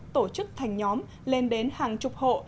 tổ chức thành nhóm lên đến hàng chục hộ